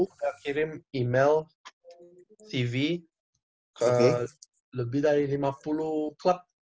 kita kirim email tv ke lebih dari lima puluh klub